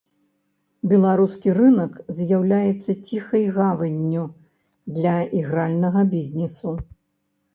Беларускі рынак з'яўляецца ціхай гаванню для ігральнага бізнесу.